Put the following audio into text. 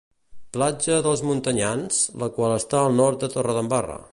Platja d'Els Muntanyans, la qual està al nord de Torredembarra.